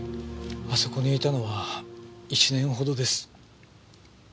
あそこにいたのは１年ほどです。